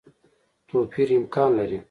توپیر امکان لري.